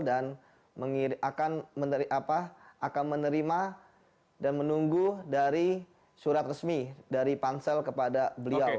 dan akan menerima dan menunggu dari surat resmi dari pansel kepada beliau